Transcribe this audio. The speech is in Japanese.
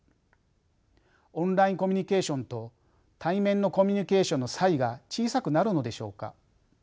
オンラインコミュニケーションと対面のコミュニケーションの差異が小さくなるのでしょうか？